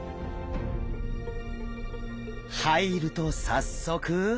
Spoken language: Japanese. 入ると早速。